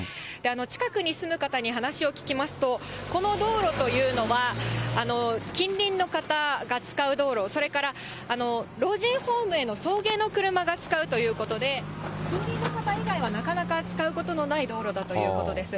近くに住む方に話を聞きますと、この道路というのは、近隣の方が使う道路、それから老人ホームへの送迎の車が使うということで、住民の方以外はなかなか使うことのない道路だということです。